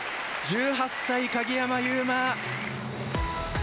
１８歳、鍵山優真。